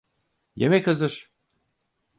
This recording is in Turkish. Yemek hazır.